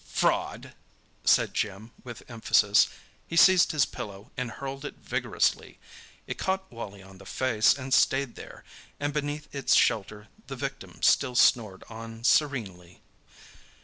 "Fraud!" said Jim, with emphasis. He seized his pillow, and hurled it vigorously. It caught Wally on the face and stayed there, and beneath its shelter the victim still snored on serenely.